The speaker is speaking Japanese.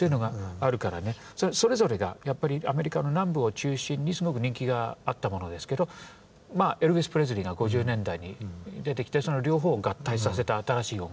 それぞれがアメリカの南部を中心にすごく人気があったものですけどエルビス・プレスリーが５０年代に出てきてその両方を合体させた新しい音楽。